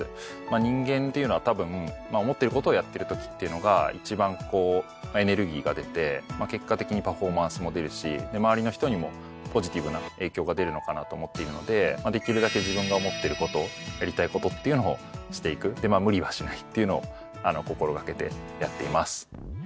人間っていうのはたぶん思ってることをやってるときっていうのが一番こうエネルギーが出て結果的にパフォーマンスも出るし周りの人にもポジティブな影響が出るのかなと思っているのでできるだけ自分が思ってることやりたいことっていうのをしていくでまあ無理はしないっていうのを心掛けてやっています。